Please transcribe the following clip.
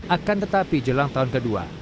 akan tetapi jelang tahun kedua